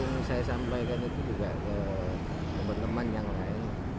ingin saya sampaikan itu juga ke teman teman yang lain